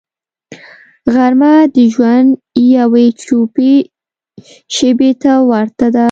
غرمه د ژوند یوې چوپې شیبې ته ورته ده